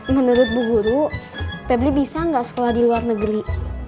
menurut bu guru pebli bisa nggak sekolah di luar negeri